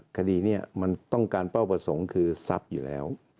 คดีนี้มันต้องการเป้าประสงค์คือทรัพย์อยู่แล้ว